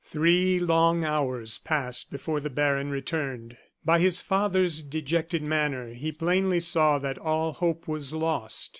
Three long hours passed before the baron returned. By his father's dejected manner he plainly saw that all hope was lost.